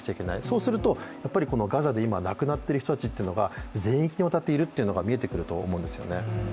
そうすると、やっぱりガザで今亡くなっている人たちが全域にわたっているというのが見えてくると思うんですよね。